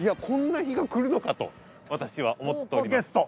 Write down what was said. こんな日が来るのかと私は思っております。